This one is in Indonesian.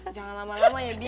jangan lama lama ya bi